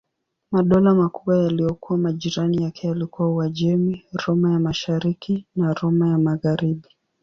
Madola makubwa yaliyokuwa majirani yake yalikuwa Uajemi, Roma ya Mashariki na Roma ya Magharibi.